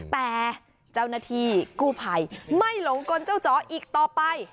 แต่เจ้าหน้าที่กู้ภัยไม่หลงกลเจ้าจ๋ออีกต่อไป